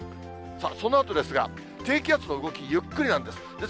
そのあとですが、低気圧の動き、ゆっくりなんです。